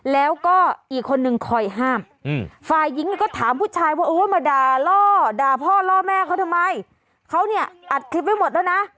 แล้วก็อีกคนนึงคอยห้ามฝ่ายหญิงก็ถามผู้ชายว่าโอ้ยมาด่าล่อด่าพ่อล่อแม่เขาทำไมเขาเนี่ยอัดคลิปไว้หมดแล้วนะ